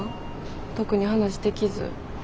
特に話できず？